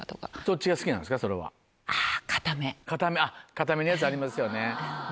硬めのやつありますよね。